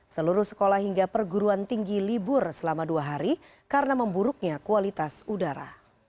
seluruh sekolah hingga perguruan tinggi libur selama dua hari karena memburuknya kualitas udara